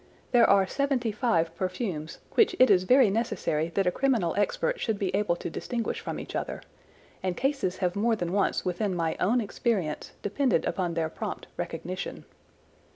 There are seventy five perfumes, which it is very necessary that a criminal expert should be able to distinguish from each other, and cases have more than once within my own experience depended upon their prompt recognition.